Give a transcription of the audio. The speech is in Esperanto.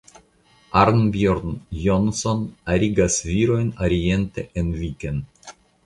Arnbjorn Jonsson arigas virojn oriente en viken.